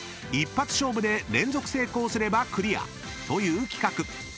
［一発勝負で連続成功すればクリアという企画］